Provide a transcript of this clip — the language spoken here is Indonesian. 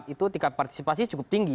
itu tingkat partisipasi cukup tinggi